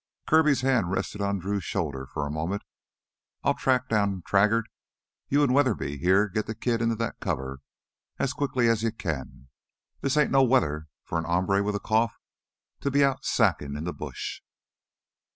Kirby's hand rested on Drew's shoulder for a moment. "I'll track down Traggart. You and Weatherby here get the kid into that cover as quick as you can. This ain't no weather for an hombre with a cough to be out sackin' in the bush."